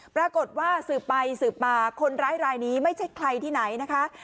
ปรากฏว่าสืบไปสืบมาคนร้ายรายนี้ไม่ใช่ใครที่ไหนนะคะ